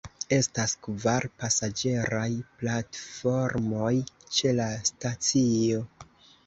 Estas kvar pasaĝeraj platformoj ĉe la stacio.